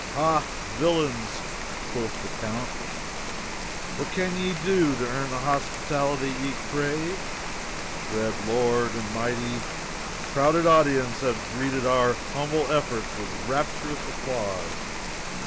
"Ha, villains!" quoth the count, "What can ye do to earn the hospitality ye crave." "Dread lord and mighty, crowded audiences have greeted our humble efforts with rapturous applause.